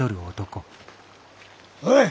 おい。